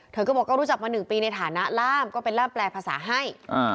เธอก็บอกก็รู้จักมา๑ปีในฐานะล่ามก็เป็นร่ามแปลภาษาให้